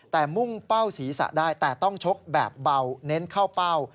แต่มุ่งเป้าศีรษะได้แต่ต้องชกแบบเบาเน้นเข้าเป้า